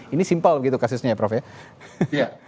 ini simple gitu kasusnya ya prof ya